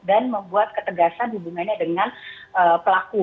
dan membuat ketegasan hubungannya dengan pelaku